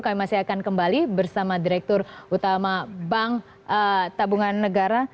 kami masih akan kembali bersama direktur utama bank tabungan negara